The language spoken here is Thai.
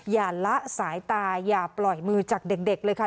ละสายตาอย่าปล่อยมือจากเด็กเลยค่ะ